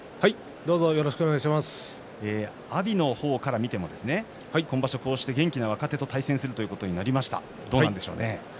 阿炎の方から見ても今場所こうして元気な若手と対戦するということになりました。